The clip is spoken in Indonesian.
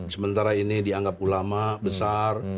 sementara ini dianggap ulama besar